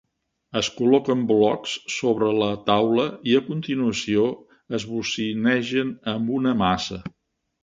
Es col·loquen blocs sobre la taula i, a continuació, es bocinegen amb una maça.